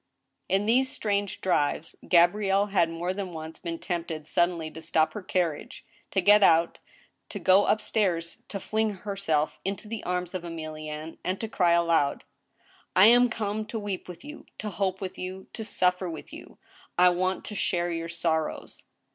In these strange drives, Gabrielle had more than once been tempted suddenly to stop her carriage, to get out, to go up stairs, to fling herself into the arms of Emilienne, and to cry aloud :*' I am come to weep with you, to hope with you, to suffer with you ! I want to share your sorrows."